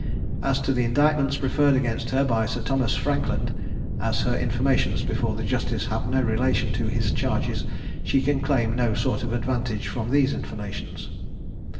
As to the indictments preferred against her by Sir Thomas Frankland, as her informations before the justices have no relation to his charges, she can claim no sort of advantage from these informations."